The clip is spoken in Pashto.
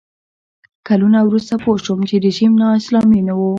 کلونه وروسته پوه شوم چې رژیم نا اسلامي نه و.